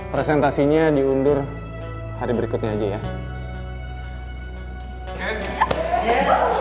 presentasinya diundur hari berikutnya aja ya